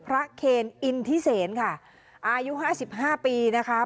อยู่นั่นคือพระเคนอินทิเศษค่ะอายุห้าสิบห้าปีนะคะ